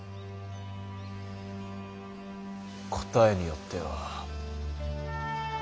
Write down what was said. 答えによっては。